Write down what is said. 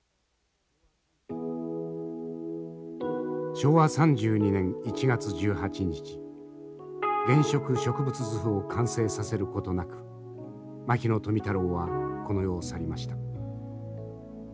昭和３２年１月１８日「原色植物図譜」を完成させることなく牧野富太郎はこの世を去りました。